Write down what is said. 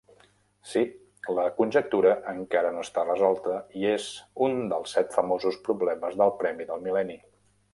Sí, la conjectura encara no està resolta i és un dels set famosos Problemes del Premi del Mil·lenni.